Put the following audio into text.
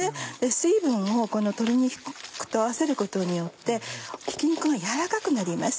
水分をこの鶏肉と合わせることによってひき肉がやわらかくなります。